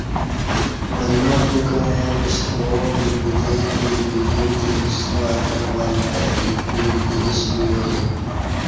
اللہ دیوکں ای وِشتہ وں بدیں دی بِبِیم دی سو ارکں ول تی دی کوئی گرش بیبا دی